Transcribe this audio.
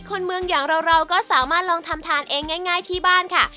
คนเมืองอย่างเราก็สามารถลองทำทานเองง่ายที่บ้านค่ะ